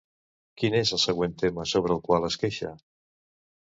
Quin és el següent tema sobre el qual es queixa?